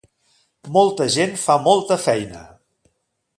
Molta gent fa molta feina.